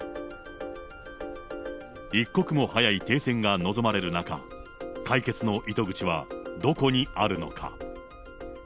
一刻も早い停戦が望まれる中、解決の糸口はどこにあるのか。